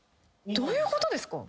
どういうことですか？